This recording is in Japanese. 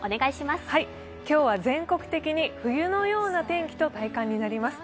今日は全国的に冬のような天気と体感になります。